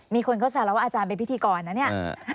มีคนเขาแซวแล้วว่าอาจารย์เป็นพิธีกรนะเนี่ย